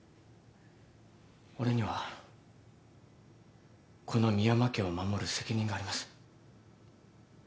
俺にはこの深山家を守る責任があります。